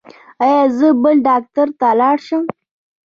ایا زه بل ډاکټر ته لاړ شم؟